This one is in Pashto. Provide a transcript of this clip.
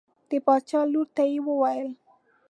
د باچا لور ته یې وویل.